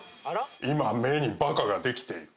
今目にばかができている。